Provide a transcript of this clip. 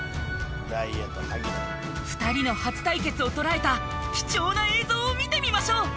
２人の初対決を捉えた貴重な映像を見てみましょう。